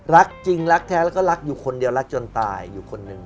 รักจริงรักแท้แล้วก็รักอยู่คนเดียวรักจนตายอยู่คนหนึ่ง